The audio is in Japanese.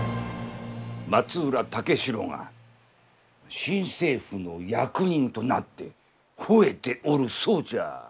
松浦武四郎が新政府の役人となってほえておるそうじゃ。